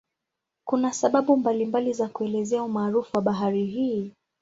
Kuna sababu mbalimbali za kuelezea umaarufu wa bahari hii.